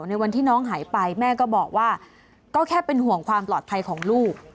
ในวันที่น้องหายไปแม่ก็บอกว่าก็แค่เป็นห่วงความปลอดภัยของลูก